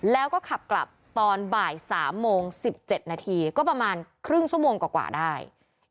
แล้วก็ขับกลับตอนบ่าย๓โมง๑๗นาทีก็ประมาณครึ่งชั่วโมงกว่าได้